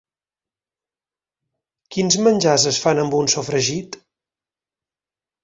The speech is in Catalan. Quins menjars es fan amb un sofregit?